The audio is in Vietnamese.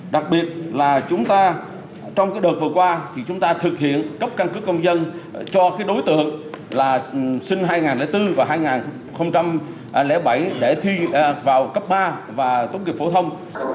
đặc biệt là chúng ta trong đợt vừa qua thì chúng ta thực hiện cấp căn cước công dân cho cái đối tượng là sinh hai nghìn bốn và hai nghìn bảy để thi vào cấp ba và tốt nghiệp phổ thông